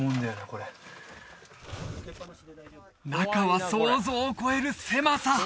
これ中は想像を超える狭さ！